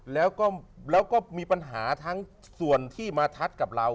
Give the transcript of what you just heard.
แล้วก็มีปัญหาทั้งส่วนที่มาทัดกับเรา